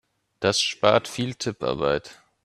Das spart viel Tipparbeit.